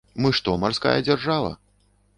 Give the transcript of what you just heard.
Мы што, марская дзяржава?